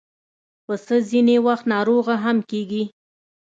پسه ځینې وخت ناروغه هم کېږي.